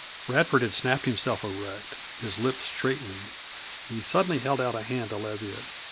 Radford had snapped himself erect, his lips straightening. He suddenly held out a hand to Leviatt.